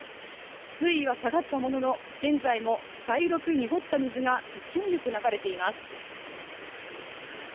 水位は下がったものの、現在も茶色く濁った水が勢いよく流れています。